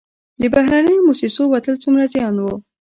د بهرنیو موسسو وتل څومره زیان و؟